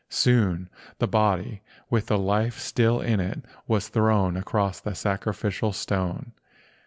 Soon the body with the life still in it was thrown across the sacrificial stone.